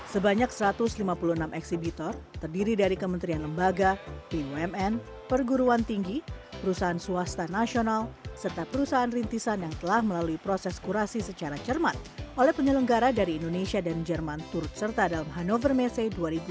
sebanyak satu ratus lima puluh enam eksibitor terdiri dari kementerian lembaga bumn perguruan tinggi perusahaan swasta nasional serta perusahaan rintisan yang telah melalui proses kurasi secara cermat oleh penyelenggara dari indonesia dan jerman turut serta dalam hannover messe dua ribu dua puluh